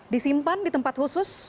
disimpan di tempat khusus